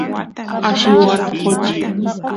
alli waraqochi